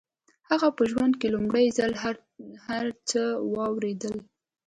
هغه په ژوند کې لومړي ځل هر څه واورېدل.